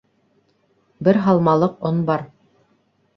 Бер һалмалыҡ он бар.